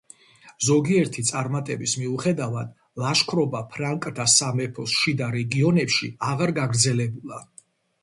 ზოგიერთი წარმატების მიუხედავად, ლაშქრობა ფრანკთა სამეფოს შიდა რეგიონებში აღარ გაგრძელებულა.